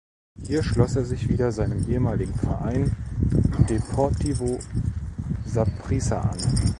Hier schloss er sich wieder seinem ehemaligen Verein "Deportivo Saprissa" an.